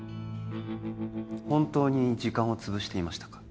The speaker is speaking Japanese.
本当に時間をつぶしていましたか？